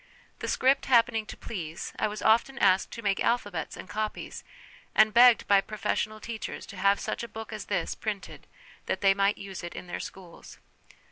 The script happening to please, I was often asked to make alphabets and copies, and begged by profes sional teachers to have such a book as this printed, that they might use it in their schools.